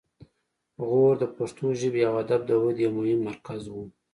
غور د پښتو ژبې او ادب د ودې یو مهم مرکز و